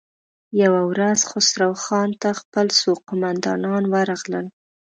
يوه ورځ خسرو خان ته خپل څو قوماندان ورغلل.